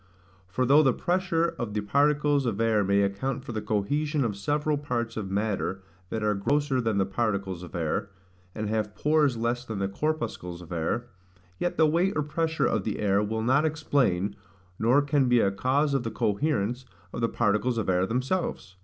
For though the pressure of the particles of air may account for the cohesion of several parts of matter that are grosser than the particles of air, and have pores less than the corpuscles of air, yet the weight or pressure of the air will not explain, nor can be a cause of the coherence of the particles of air themselves.